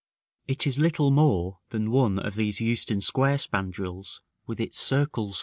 It is little more than one of these Euston Square spandrils, with its circles foliated.